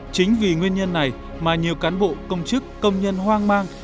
chính vì nguyên nhân này mà nhiều cán bộ công chức công nhân hoang mang